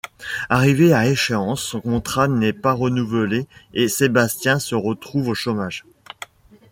Arrivé à échéance, son contrat n'est pas renouvelé et Sébastien se retrouve au chômage.